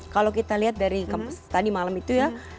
kalau kita lihat dari tadi malam itu ya